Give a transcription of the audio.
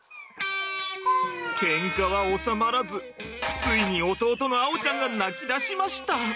ケンカはおさまらずついに弟の碧ちゃんが泣きだしました。